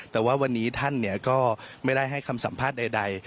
แต่ว่าวันนี้ท่านก็ไม่ได้ให้คำสัมภาษณ์ใด